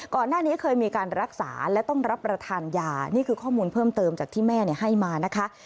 ก่อนหน้านี้เคยมีการรักษาและต้องรับประทานยานี่คือข้อมูลเพิ่มเติมจากที่แม่ให้มานะคะ